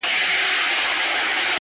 پر قسمت یې د تیارې پلو را خپور دی!!